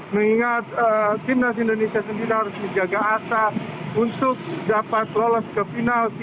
mengingat timnas indonesia sendiri harus menjaga asa untuk dapat lolos ke final